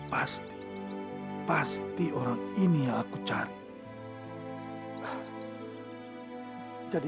pasti pasti orang ini yang aku cari